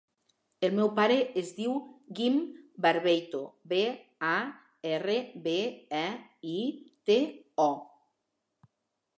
El meu pare es diu Guim Barbeito: be, a, erra, be, e, i, te, o.